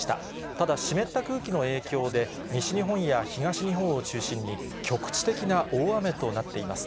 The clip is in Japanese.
ただ、湿った空気の影響で、西日本や東日本を中心に、局地的な大雨となっています。